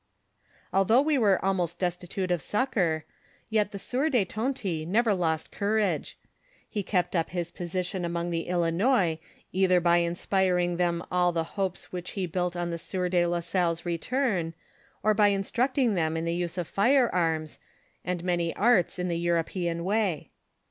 Although we were almost destitute of succor, yet the sieur de Tonty never lost courage ; he kept up his position among the Ilinois either by inspiring them all the hopes which he built on the sieur de la Salle's retuni, or by instructing them in the use of firearms, and many arts in the European way.